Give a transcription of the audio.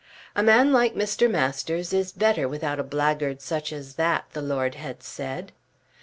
"A man like Mr. Masters is better without such a blackguard as that," the Lord had said.